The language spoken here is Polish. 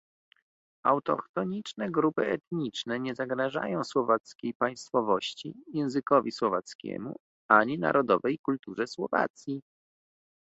Autochtoniczne grupy etniczne nie zagrażają słowackiej państwowości, językowi słowackiemu ani narodowej kulturze Słowacji